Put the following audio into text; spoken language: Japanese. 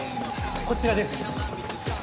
こちらです。